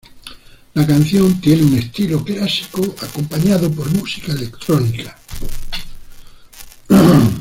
La canción tiene un estilo clásico acompañado por música electrónica.